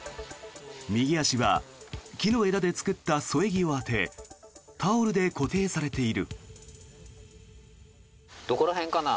右足は木の枝で作った添え木を当てタオルで固定されている。